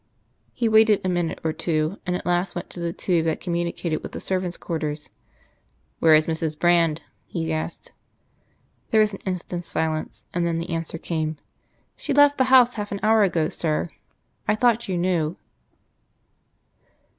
He waited a minute or two, and at last went to the tube that communicated with the servants' quarters. "Where is Mrs. Brand?" he asked. There was an instant's silence, and then the answer came: "She left the house half an hour ago, sir. I thought you knew."